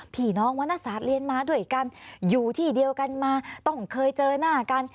พี่น้องวรรณศาสตร์เรียนมาด้วยกันอยู่ที่เดียวกันมาต้องเคยเจอหน้ากัน